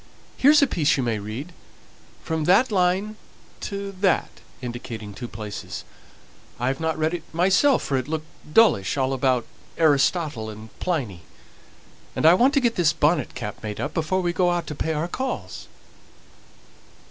"Here's a piece you may read, from that line to that," indicating two places. "I haven't read it myself for it looked dullish all about Aristotle and Pliny and I want to get this bonnet cap made up before we go out to pay our calls."